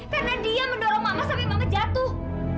karena dia mendorong mama sampai mama jatuh